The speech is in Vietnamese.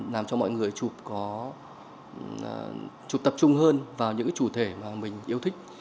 làm cho mọi người chụp tập trung hơn vào những chủ thể mà mình yêu thích